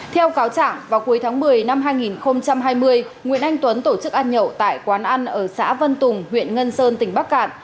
theo cáo trạng vào cuối tháng một mươi năm hai nghìn hai mươi nguyễn anh tuấn tổ chức ăn nhậu tại quán ăn ở xã vân tùng huyện ngân sơn tỉnh bắc cạn